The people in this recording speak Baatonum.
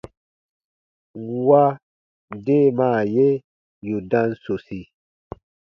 Nwa deemaa ye yù dam sosi.